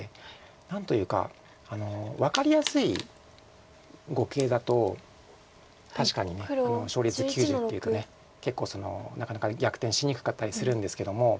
何というか分かりやすい碁形だと確かに勝率９０っていうと結構なかなか逆転しにくかったりするんですけども。